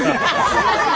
すいません